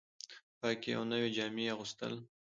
پاکې او نوې جامې اغوستل